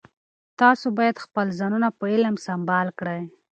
تاسو باید خپل ځانونه په علم سمبال کړئ.